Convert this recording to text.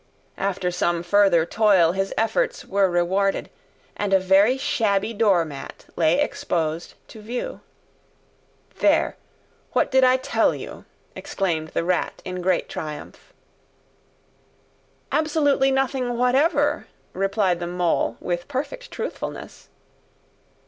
After some further toil his efforts were rewarded, and a very shabby door mat lay exposed to view. "There, what did I tell you?" exclaimed the Rat in great triumph. "Absolutely nothing whatever," replied the Mole, with perfect truthfulness.